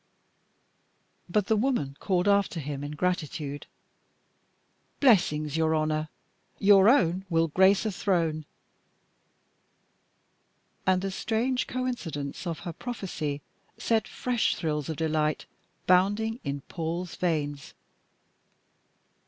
But the woman called after him in gratitude: "Blessings on your honour. Your own will grace a throne." And the strange coincidence of her prophecy set fresh thrills of delight bounding in Paul's veins.